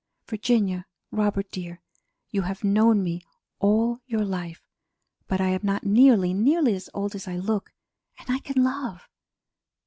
Virginia, Robert dear, you have known me all your life but I am not nearly, nearly as old as I look, and I can love.